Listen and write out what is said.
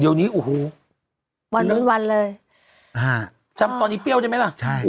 เดี๋ยวนี้โอ้โหวันนู้นวันเลยจำตอนนี้เปรี้ยวได้ไหมล่ะใช่